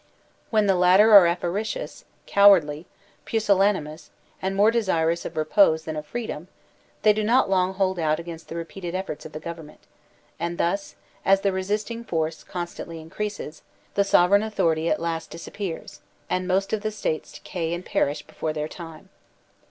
When the latter are avaricious, cow ardly, pusillanimous, and more desirous of repose than of DEPUTIES OR REPRESENTATIVES 83 freedom, they do not long hold out against the repeated efforts of the government; and thus, as the resisting force constantly increases, the sovereign authority at last dis appears, and most of the States decay and perish before their time.